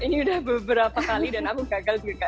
ini udah beberapa kali dan aku gagal juga